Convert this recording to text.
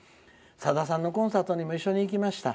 さださんのコンサートにも一緒に行きました。